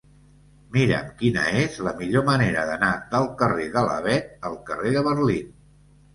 Mira'm quina és la millor manera d'anar del carrer de l'Avet al carrer de Berlín.